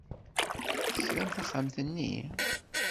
Tekram taxxamt-nni?